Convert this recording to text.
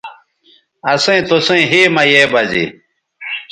اسئیں توسئیں ھے مہ یے بزے